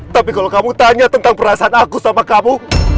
tapi kalau kamu tanya tentang perasaan aku sama kamu